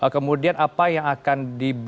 kemudian apa yang akan diberikan